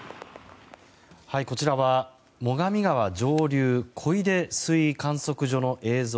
こちらは最上川上流小出水位観測所の映像